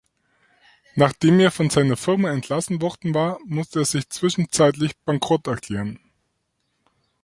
Nachdem er von seiner Firma entlassen worden war, musste er sich zwischenzeitlich bankrott erklären.